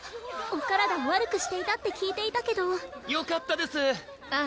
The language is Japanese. お体を悪くしていたって聞いていたけどよかったですあ